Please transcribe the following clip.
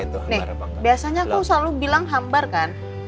udah tau nih biasanya aku selalu bilang hambar kak